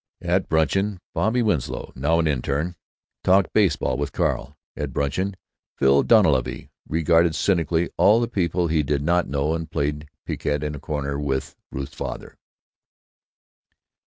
At bruncheon Bobby Winslow, now an interne, talked baseball with Carl. At bruncheon Phil Dunleavy regarded cynically all the people he did not know and played piquet in a corner with Ruth's father.